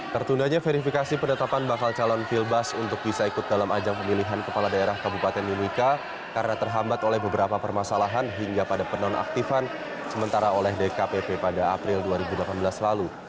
tertundanya verifikasi penetapan bakal calon filbas untuk bisa ikut dalam ajang pemilihan kepala daerah kabupaten mimika karena terhambat oleh beberapa permasalahan hingga pada penonaktifan sementara oleh dkpp pada april dua ribu delapan belas lalu